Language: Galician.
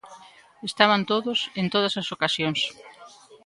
Estaban todos en todas as ocasións.